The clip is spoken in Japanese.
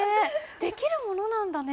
できるものなんだね。